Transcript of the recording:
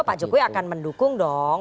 pak jokowi akan mendukung dong